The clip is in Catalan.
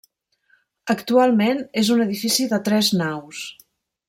Actualment, és un edifici de tres naus.